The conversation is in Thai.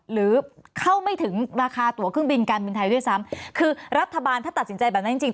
หรือเข้าไม่ถึงราคาตัวเครื่องบินการบินไทยด้วยซ้ำคือรัฐบาลถ้าตัดสินใจแบบนั้นจริงจริง